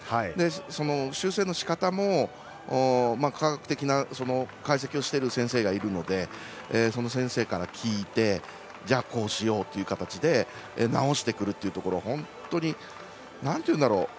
その修正のしかたも科学的な解析をしている先生がいるのでその先生から聞いてじゃあ、こうしようっていう形で直してくるというところが。なんていうんだろう？